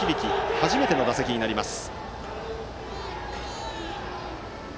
初めての打席になります。